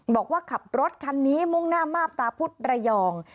บอกว่าขับรถคันนี้มุ่งหน้ามาบตาพุธระยอง